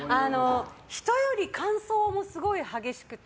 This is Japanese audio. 人より乾燥もすごい激しくて。